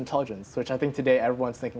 yang saya pikir hari ini semua orang berpikir